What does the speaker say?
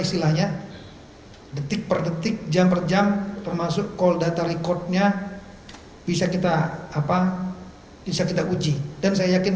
hai detik per detik jam per jam termasuk coldata recordnya bisa kita apa bisa kita uji dan saya yakin